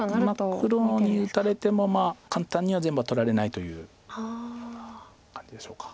黒に打たれても簡単には全部は取られないという感じでしょうか。